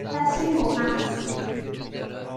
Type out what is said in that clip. تصویر مبهم است.